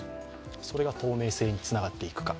それが透明性につながっていくか。